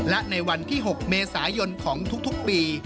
และในวันที่๖เมษายนของทุกปี